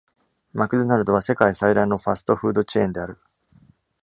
マクドナルドは世界最大のファストフードチェーンである。